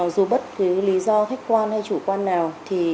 dù bất cứ lý do khách quan hay chủ quan nào